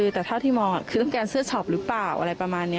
แต่เท่าที่มองคือต้องการเสื้อช็อปหรือเปล่าอะไรประมาณนี้